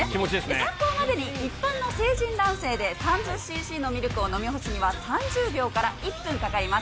参考までに一般の成人男性で３０ｃｃのミルクを飲み干すには、３０秒から１分かかります。